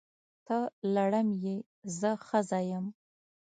ته لړم یې! زه ښځه یم.